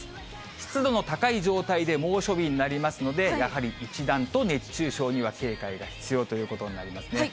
湿度も高い状態で猛暑日になりますので、やはり一段と熱中症には警戒が必要ということになりますね。